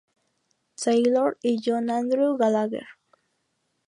Taylor y John Andrew Gallagher.